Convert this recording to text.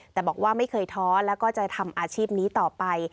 แต่บอกว่าไม่เคยท้อแล้วก็จะทำอาชีพนี้ต่อไป